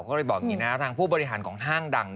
ก็เลยบอกอย่างนี้นะทางผู้บริหารของห้างดัง